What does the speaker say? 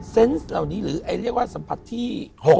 เส้นเหล่านี้หรือสัมภัณฑ์ที่๖